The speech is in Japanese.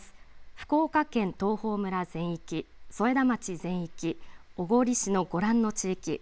福岡県東峰村全域添田町全域、小郡市のご覧の地域